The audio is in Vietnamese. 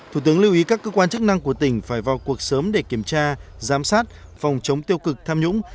thủ tướng lưu ý các cơ quan chức năng của tỉnh phải vào cuộc sớm để kiểm tra giám sát phòng chống tiêu cực tham nhũng